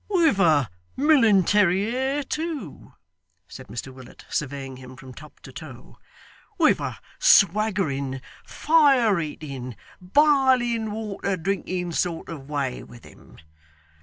'With a milintary air, too!' said Mr Willet, surveying him from top to toe; 'with a swaggering, fire eating, biling water drinking sort of way with him!